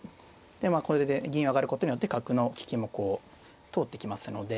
でこれで銀上がることによって角の利きもこう通ってきますので。